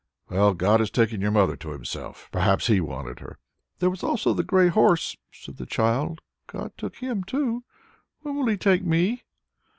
"Well, God has taken your mother to Himself. Perhaps He wanted her." "There was also the grey horse," said the child. "God took him too. When will He take me?"